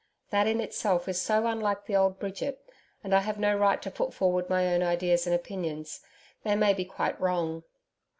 That in itself is so unlike the old Bridget, and I have no right to put forward my own ideas and opinions they may be quite wrong.